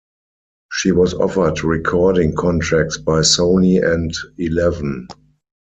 She was offered recording contracts by Sony and Eleven.